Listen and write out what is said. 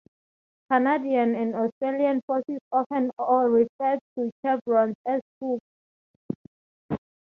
Canadian and Australian Forces often refer to chevrons as "hooks".